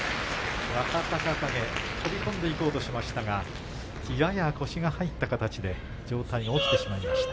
若隆景、飛び込んでいこうとしましたがやや腰が入った形で上体が落ちてしまいました。